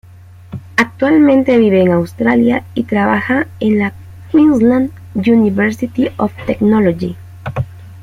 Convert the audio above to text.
Actualmente vive en Australia y trabaja en la Queensland University of Technology.